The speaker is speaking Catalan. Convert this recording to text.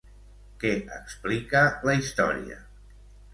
Què explica la història?